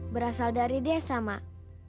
berasal dari desa mak